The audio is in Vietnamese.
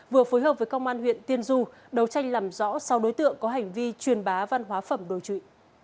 vừa phối hợp với công an huyện tiên du đấu tranh làm rõ sau đối tượng có hành vi truyền bá văn hóa phẩm đồ trụy